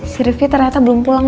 si rivki ternyata belum pulang